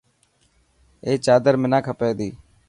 اي چادر منا کپي تي.